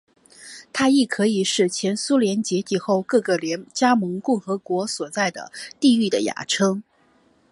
它亦可以是前苏联解体后各个加盟共和国所在的地域的雅称。